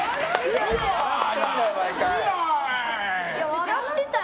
笑ってたぞ！